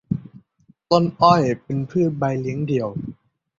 ต้นอ้อยเป็นพืชใบเลี้ยงเดี่ยว